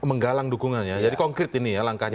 menggalang dukungannya jadi konkret ini ya langkahnya